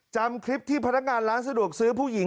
จำคลิปที่พนักงานร้านสะดวกซื้อผู้หญิง